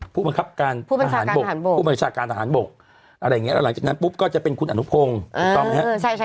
ผู้บังคับการทหารบกผู้บัญชาการทหารบกอะไรอย่างนี้แล้วหลังจากนั้นปุ๊บก็จะเป็นคุณอนุพงศ์ถูกต้องไหมครับ